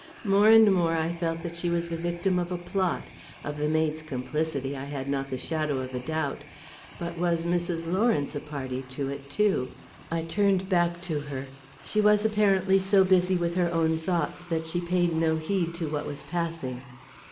More and more I felt that she was the victim of a plot. Of the maid's complicity, I had not the shadow of a doubt but was Mrs. Lawrence a party to it, too? I turned back to her. She was, apparently, so busy with her own thoughts that she paid no heed to what was passing.